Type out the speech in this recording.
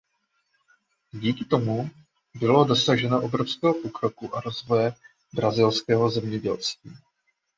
Díky tomu bylo dosaženo obrovského pokroku a rozvoje brazilského zemědělství.